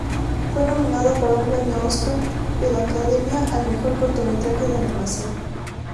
Fue nominado para un Premio Oscar de la Academia al Mejor Cortometraje de Animación.